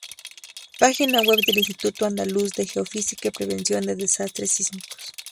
Página web del Instituto Andaluz de Geofísica y Prevención de Desastres Sísmicos